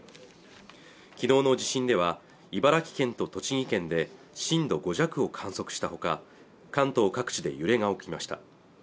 昨日の地震では茨城県と栃木県で震度５弱を観測したほか関東各地で揺れが起きました